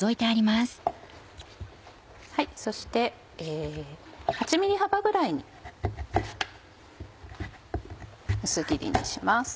そして８ｍｍ幅ぐらいに薄切りにします。